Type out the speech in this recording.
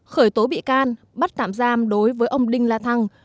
khởi tố bị can bắt tạm giam đối với ông đinh la thăng